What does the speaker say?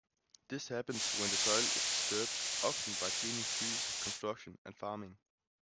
This happens when the soil is disturbed often by clearing trees, construction and farming.